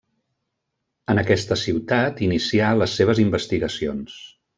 En aquesta ciutat inicià les seves investigacions.